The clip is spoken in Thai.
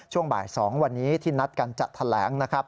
ช่วงบ่าย๒วันนี้ที่นัดกันจัดแถลงนะครับ